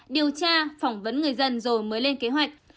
điều tra phỏng vấn người dân rồi mới lên kế hoạch